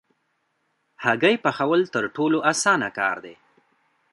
هګۍ پخول تر ټولو اسانه کار دی.